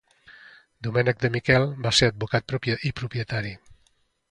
Domènec de Miquel va ser advocat i propietari.